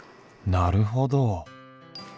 なるほど。